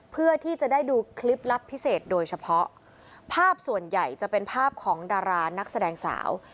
เพื่อที่จะได้ดูคลิปลับพิเศษโดยเฉพาะภาพส่วนใหญ่จะเป็นภาพของดารานักแสดงสาว